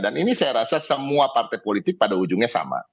dan ini saya rasa semua partai politik pada ujungnya sama